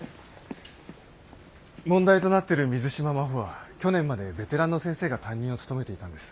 問題となってる水島真帆は去年までベテランの先生が担任を務めていたんです。